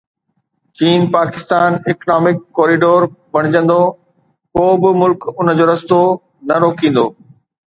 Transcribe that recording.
چين Pakistan economic corridor بڻجندو، ڪو به ملڪ ان جو رستو نه روڪيندو.